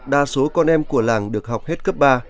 đa số con em của làng được học hết cấp ba